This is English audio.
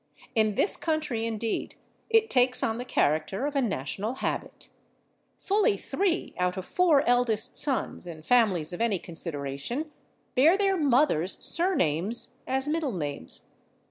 In this country, indeed, it takes on the character of a national habit; fully three out of four eldest sons, in families of any consideration, bear their mothers' surnames as middle names.